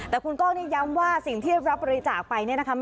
แต่คุณกล้องนี่ย้ำว่าสิ่งที่ได้รับบริจาคไปเนี่ยนะคะ